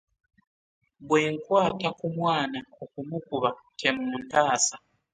Bwe nkwata ku mwana okumukuba temuntaasa.